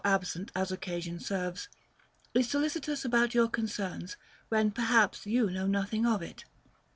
133 absent, as occasion serves, is solicitous about your con cerns, when perhaps you know nothing of it.